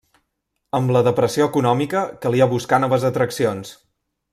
Amb la depressió econòmica calia buscar noves atraccions.